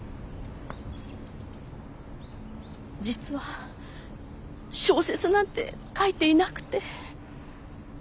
実は小説なんて書いていなくて。